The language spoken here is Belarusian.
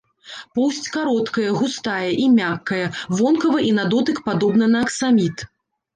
Поўсць кароткая, густая і мяккая, вонкава і на дотык падобна на аксаміт.